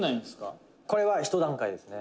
横尾：「これは１段階ですね」